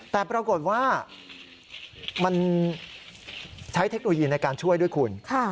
แต่ปรากฏว่ามันใช้เทคโนโลยีในการช่วยด้วยคุณ